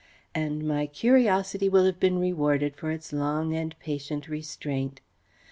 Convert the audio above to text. And my curiosity will have been rewarded for its long and patient restraint.